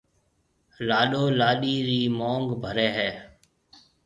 لاڏو لاڏِي رِي مانگ ڀرَي ھيََََ